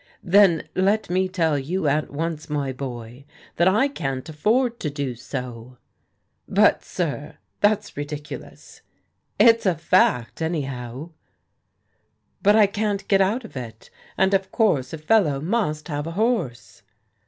"Then let me tell you at once, my boy, that I can't afford to do so." " But, sir — ^that's ridiculous." " It's a fact, anyhow." " But I can't get out of it, and of course a fellow must have a horse."